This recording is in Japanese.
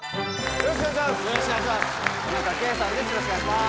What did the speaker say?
よろしくお願いします。